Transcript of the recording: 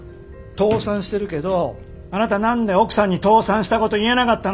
倒産してるけどあなた何で奥さんに倒産したこと言えなかったの？